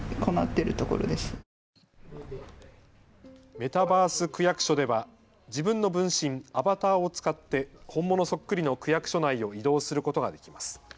メタバース区役所では自分の分身・アバターを使って本物そっくりの区役所内を移動することができます。